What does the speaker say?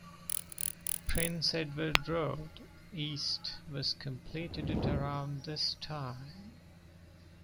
Prince Edward Road East was completed at around this time.